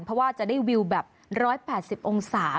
เพราะว่าจะได้วิวแบบ๑๘๐องศา